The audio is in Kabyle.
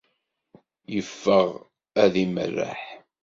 Iffeɣ ad imerreḥ.